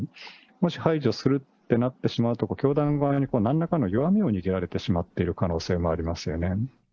もし排除するってなってしまうと、教団側になんらかの弱みを握られてしまっている可能性もあります